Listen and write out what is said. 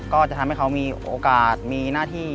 ก็จะทำให้เขามีโอกาสมีหน้าที่